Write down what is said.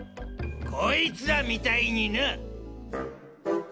こいつらみたいにな！